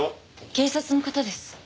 警察の方です。